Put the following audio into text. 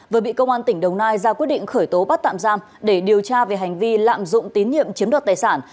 vừa bị công an tỉnh đồng nai ra quyết định khởi tố bắt tạm giam để điều tra về hành vi lạm dụng tín nhiệm chiếm đoạt tài sản